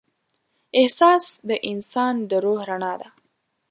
احساس د انسان د روح رڼا ده.